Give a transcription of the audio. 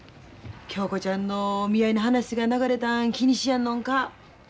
恭子ちゃんの見合いの話が流れたん気にしやんのんか？